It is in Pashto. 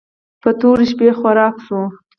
په تورې شپې خوراک شو.